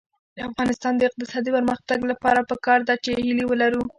د افغانستان د اقتصادي پرمختګ لپاره پکار ده چې هیلې ولرو.